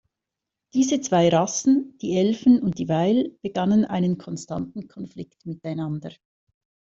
Diese zwei Rassen, die Elfen und die Vail begannen einen konstanten Konflikt miteinander.